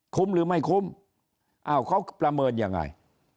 คุ้มหรือไม่คุ้มเขาประเมินอย่างไร